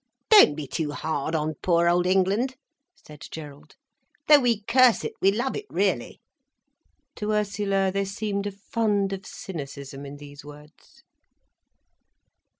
'" "Don't be too hard on poor old England," said Gerald. "Though we curse it, we love it really." To Ursula, there seemed a fund of cynicism in these words.